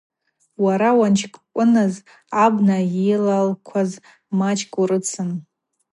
Уара уанчкӏвыныз абна йылалкваз мачӏкӏ урыцын.